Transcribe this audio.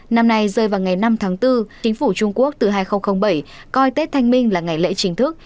năm nay rơi vào ngày năm tháng bốn chính phủ trung quốc từ hai nghìn bảy coi tết thanh minh là ngày lễ chính thức